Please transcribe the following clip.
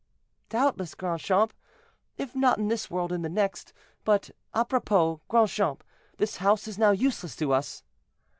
"Doubtless, Grandchamp; if not in this world, in the next. But, apropos, Grandchamp, this house is now useless to us."